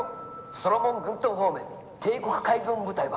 ソロモン群島方面帝国海軍部隊は」。